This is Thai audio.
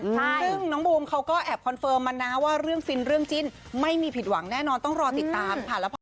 ซึ่งน้องบูมเขาก็แอบคอนเฟิร์มมานะว่าเรื่องฟินเรื่องจิ้นไม่มีผิดหวังแน่นอนต้องรอติดตามค่ะ